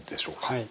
はい。